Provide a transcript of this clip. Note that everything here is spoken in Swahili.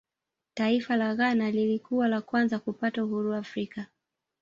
taifa la ghana lilikuwa la kwanza kupata uhuru afrika